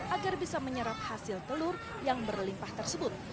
agar bisa menyerap hasil telur yang berlimpah tersebut